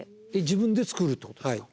自分で作るってことですか？